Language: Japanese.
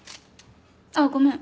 あっごめん。